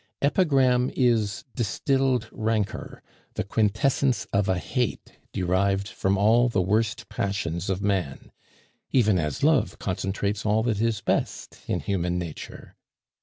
Epigram is distilled rancor, the quintessence of a hate derived from all the worst passions of man, even as love concentrates all that is best in human nature.